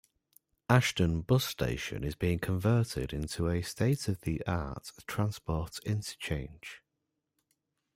Ashton Bus Station is being converted into a state-of-the-art transport interchange.